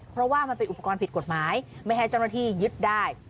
เพราะว่ามันเป็นอุปกรณ์ผิดกฎหมายไม่ให้เจ้าหน้าที่ยึดได้